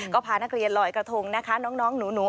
ก็พานักเรียนลอยกระทงนะคะน้องหนู